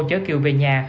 chở kiều về nhà